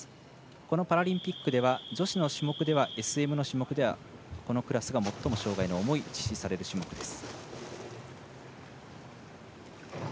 このパラリンピックでは女子の種目ではＳＭの種目ではこのクラスが最も障がいの重い種目です。